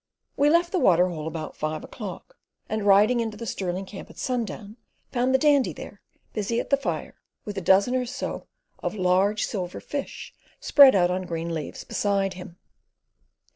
We left the water hole about five o'clock, and riding into the Stirling camp at sundown, found the Dandy there, busy at the fire, with a dozen or so of large silver fish spread out on green leaves beside him.